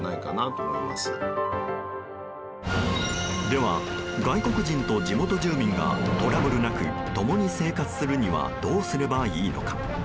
では、外国人と地元住民がトラブルなく共に生活するにはどうすればいいのか。